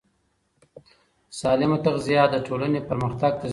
سالمه تغذیه د ټولنې پرمختګ تضمینوي.